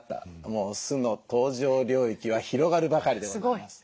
もう酢の登場領域は広がるばかりでございます。